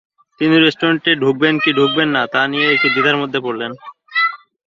তিনি রেস্টুরেন্টে ঢুকবেন কি ঢুকবেন না তা নিয়ে একটু দ্বিধার মধ্যে পড়লেন।